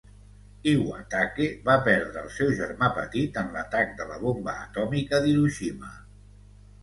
Iwatake va perdre el seu germà petit en l'atac de la bomba atòmica d'Hiroshima.